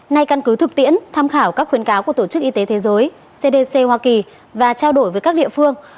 nay căn cứ thực tiễn tham khảo các khuyến cáo của tổ chức y tế thế giới cdc hoa kỳ và trao đổi với các địa phương